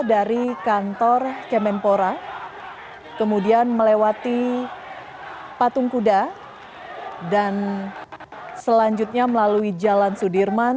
dari kantor kemenpora kemudian melewati patung kuda dan selanjutnya melalui jalan sudirman